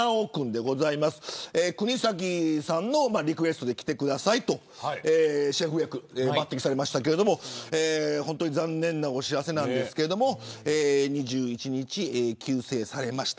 ざお君国崎さんのリクエストで来てくださいとシェフ役、抜てきされましたけど本当に残念なお知らせなんですけど２１日、急逝されました。